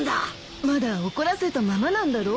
まだ怒らせたままなんだろう？